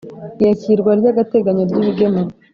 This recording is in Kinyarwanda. Iyakirwa ry agateganyo ry ibigemurwa